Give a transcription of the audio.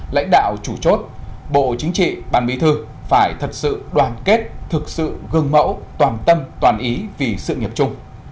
lãnh đạo chủ chốt bộ chính trị ban bí thư phải thật sự đoàn kết thực sự gương mẫu toàn tâm toàn ý vì sự nghiệp chung